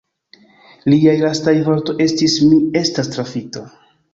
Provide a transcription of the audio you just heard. Liaj lastaj vortoj estis: «Mi estas trafita.